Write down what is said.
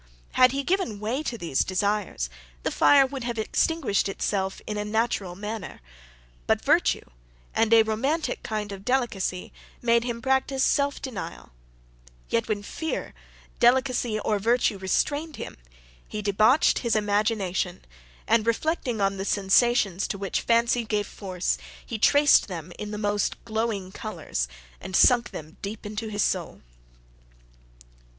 Had he given way to these desires, the fire would have extinguished itself in a natural manner, but virtue, and a romantic kind of delicacy, made him practise self denial; yet, when fear, delicacy, or virtue restrained him, he debauched his imagination; and reflecting on the sensations to which fancy gave force, he traced them in the most glowing colours, and sunk them deep into his soul.